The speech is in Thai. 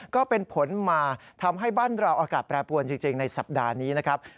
ก็เป็นผลมาทำให้บ้านเราอากาศแปรปวนจริงในสัปดาห์นี้นะครับ